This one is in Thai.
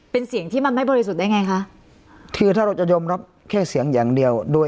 เป็นเสียงที่มันไม่บริสุทธิ์ได้ไงคะคือถ้าเราจะยอมรับแค่เสียงอย่างเดียวโดย